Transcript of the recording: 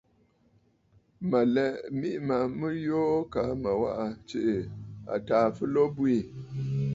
Mə̀ lɛ miʼì ma mɨ burə̀ yoo kaa mə waʼà tsiʼì àtàà fɨlo bwiî.